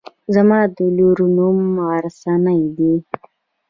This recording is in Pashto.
زما د لور نوم غرڅنۍ دی.